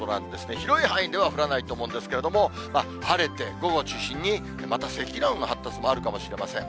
広い範囲では降らないと思うんですけれども、晴れて午後を中心にまた積乱雲の発達もあるかもしれません。